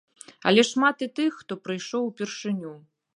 Але шмат і тых, хто прыйшоў упершыню.